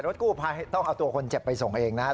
กู้ภัยต้องเอาตัวคนเจ็บไปส่งเองนะครับ